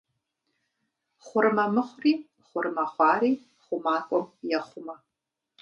Хъурмэ мыхъури, хъурмэ хъуари хъумакӏуэм ехъумэ.